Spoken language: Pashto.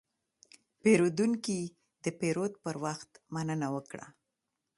پیرودونکی د پیرود پر وخت مننه وکړه.